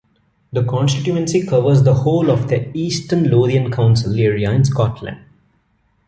The constituency covers the whole of the East Lothian council area in Scotland.